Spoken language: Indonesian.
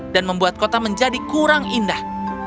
dan membuat kota menjadi kurang indah